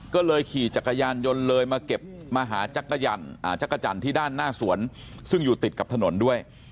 ก็เลยขี่จักรยานยนต์เลยมาเก็บมาหาจักรจันทร์ที่ด้านหน้าสวนซึ่งอยู่ติดกับถนนด้วย